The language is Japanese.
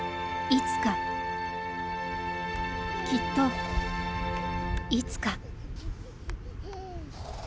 いつか、きっと、いつか。